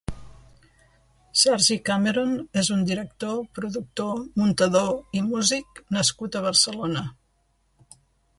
Sergi Cameron és un director, productor, muntador i músic nascut a Barcelona.